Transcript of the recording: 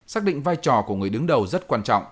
xác định vai trò của người đứng đầu rất quan trọng